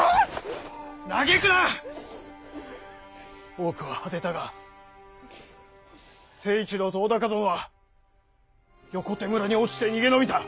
多くは果てたが成一郎と尾高殿は横手村に落ちて逃げ延びた。